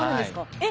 えっ！